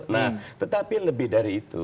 nah tetapi lebih dari itu